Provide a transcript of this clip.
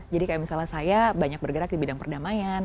jadi kayak misalnya saya banyak bergerak di bidang perdamaian